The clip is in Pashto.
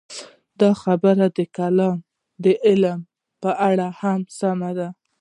دا خبره د کلام د علم په اړه هم سمه ده.